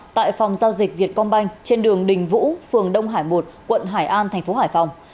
tại phòng giao dịch việt công banh trên đường đình vũ phường đông hải một quận hải an thành phố hải phòng